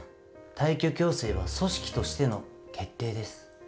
退去強制は組織としての決定です。